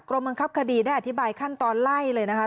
บังคับคดีได้อธิบายขั้นตอนไล่เลยนะคะ